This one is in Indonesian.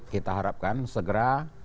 kita harapkan segera